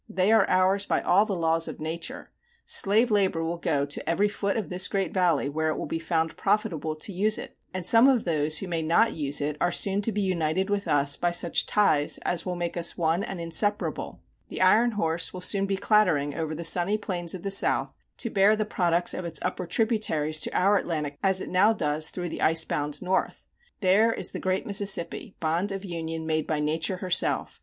They are ours by all the laws of nature; slave labor will go to every foot of this great valley where it will be found profitable to use it, and some of those who may not use it are soon to be united with us by such ties as will make us one and inseparable. The iron horse will soon be clattering over the sunny plains of the South to bear the products of its upper tributaries to our Atlantic ports, as it now does through the ice bound North. There is the great Mississippi, bond of union made by nature herself.